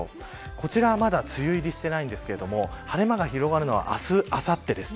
こちらは、まだ梅雨入りしていないんですが晴れ間が広がるのは明日、あさってです。